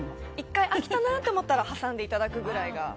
１回、飽きたなと思ったら挟んでいただくぐらいが。